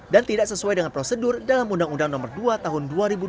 tidak sesuai dengan prosedur dalam undang undang nomor dua tahun dua ribu dua puluh